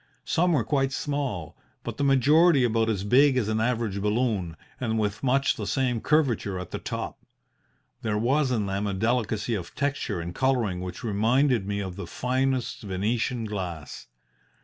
Some were quite small, but the majority about as big as an average balloon, and with much the same curvature at the top. There was in them a delicacy of texture and colouring which reminded me of the finest Venetian glass.